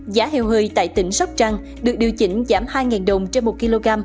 giá heo hơi tại tỉnh sóc trăng được điều chỉnh giảm hai đồng trên một kg